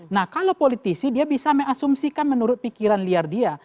nah kalau politisi dia bisa mengasumsikan menurut pikiran liar dia